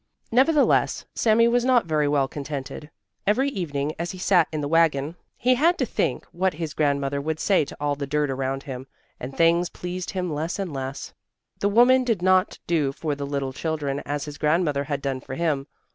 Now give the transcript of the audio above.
Nevertheless Sami was not very well contented. Every evening as he sat in the wagon, he had to think what his grandmother would say to all the dirt around him, and things pleased him less and less. The woman did not do for the little children as his grandmother had done for him.